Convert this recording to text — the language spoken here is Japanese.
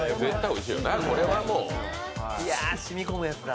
いや、染み込むやつだ。